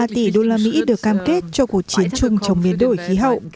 ba tỷ đô la mỹ được cam kết cho cuộc chiến chung chống biến đổi khí hậu